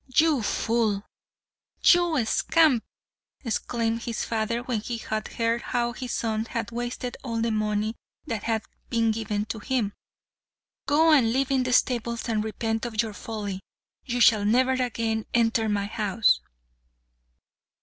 "You fool! You scamp!" exclaimed his father when he had heard how his son had wasted all the money that had been given to him. "Go and live in the stables and repent of your folly. You shall never again enter my house."